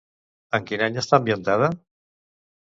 En quin any està ambientada?